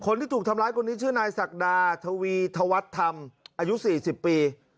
คนที่ถูกทำร้ายคนนี้ชื่อนายศักดาทวีธวัฒนธรรมอายุ๔๐ปี